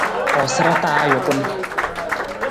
Koosara taa ajukun.